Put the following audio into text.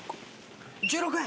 １６円！？